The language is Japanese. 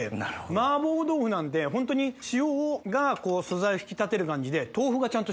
麻婆豆腐なんでホントに塩が素材を引き立てる感じで。